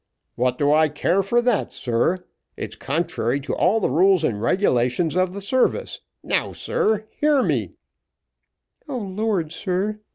"What do I care for that, sir? It's contrary to all the rules and regulations of the service. Now, sir, hear me " "O Lord, sir!